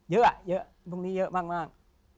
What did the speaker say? เยอะเยอะพรุ่งนี้เยอะมาก